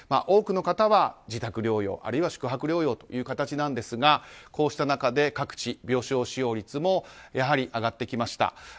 多くの方は自宅療養あるいは宿泊療養という形なんですがこうした中で各地、病床使用率もやはり上がってきました。